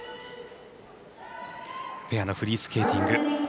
ペアのフリースケーティング。